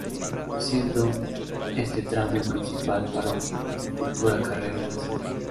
Siendo este tramo el principal para una futura carrera oficial.